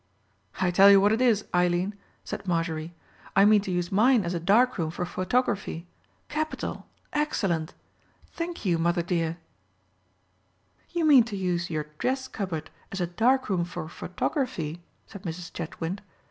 "I tell you what it is, Eileen," said Marjorie, "I mean to use mine as a dark room for photography—capital, excellent. Thank you, mother, dear." "You mean to use your dress cupboard as a darkroom for photography?" said Mrs. Chetwynd.